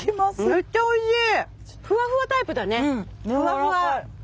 めっちゃおいしい！